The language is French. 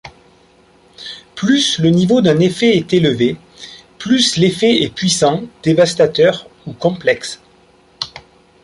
Plus le niveau d'un effet est élevé, plus l'effet est puissant, dévastateur ou complexe.